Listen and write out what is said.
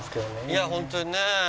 いやホントにね。